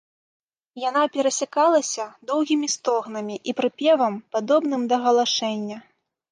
Яна перасякалася доўгімі стогнамі і прыпевам, падобным да галашэння.